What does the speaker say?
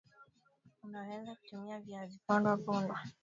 unaweza kutumia Viazi pondwa pondwa